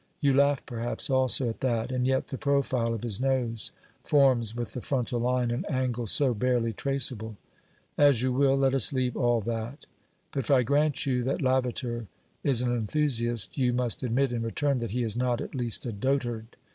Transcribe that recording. ... You laugh perhaps also at that, and yet the profile of his nose forms with the frontal line an angle so barely traceable ! As you will ; let us leave all that. But if I grant you that Lavater is an enthusiast, you must admit in return that he is not at least a dotard.